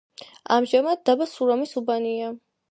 ამჟამად დაბა სურამის უბანია.